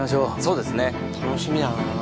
楽しみだな。